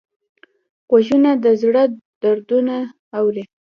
غوږونه د زړه دردونه اوري